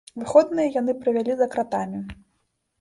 Выходныя яны правялі за кратамі.